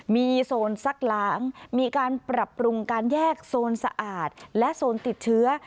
มีโซนซักล้างมีการปรับปรุงการแยกโซนสะอาดและโซนติดเชื้อ